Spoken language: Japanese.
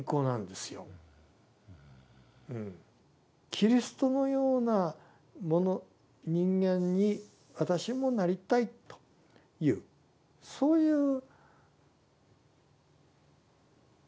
キリストのような者人間に私もなりたいというそういうなんか一歩なんです。